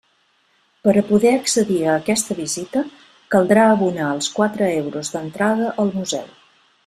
Per a poder accedir a aquesta visita caldrà abonar els quatre euros d'entrada al Museu.